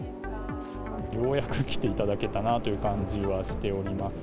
ようやく来ていただけたなという感じはしております。